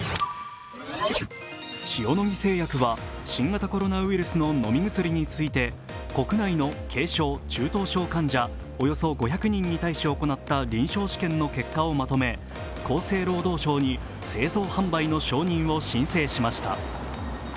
塩野義製薬は新型コロナウイルスの飲み薬について国内の軽症・中等症患者およそ５００人に対し行った臨床試験の結果をまとめ厚生労働省に製造販売の承認を申請しました。